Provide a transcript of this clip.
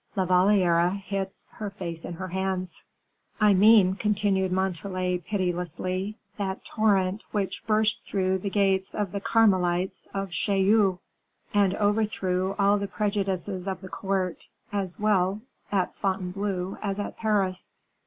La Valliere hid her face in her hands. "I mean," continued Montalais, pitilessly, "that torrent which burst through the gates of the Carmelites of Chaillot, and overthrew all the prejudices of the court, as well at Fontainebleau as at Paris."